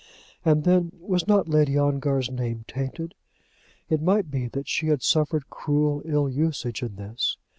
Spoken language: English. And, then, was not Lady Ongar's name tainted? It might be that she had suffered cruel ill usage in this.